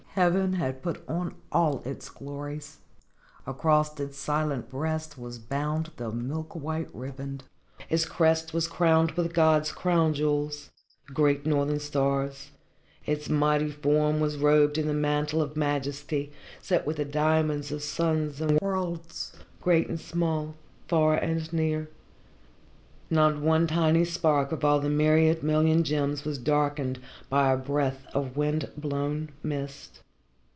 Heaven had put on all its glories across its silent breast was bound the milk white ribband, its crest was crowned with God's crown jewels, the great northern stars, its mighty form was robed in the mantle of majesty set with the diamonds of suns and worlds, great and small, far and near not one tiny spark of all the myriad million gems was darkened by a breath of wind blown mist.